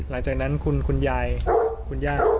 หลังจากนั้นคุณยายคุณย่า